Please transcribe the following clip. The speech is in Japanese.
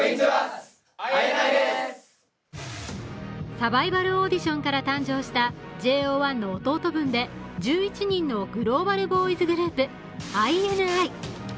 サバイバルオーディションから誕生したＪＯ１の弟分で１１人のグローバルボーイズグループＩＮＩ。